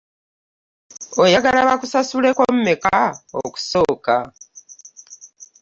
Oyagala bakusasuleko mmeka okusooka?